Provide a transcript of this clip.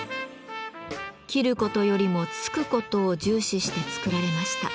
斬ることよりも突くことを重視して作られました。